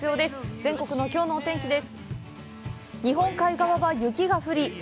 全国のきょうのお天気です。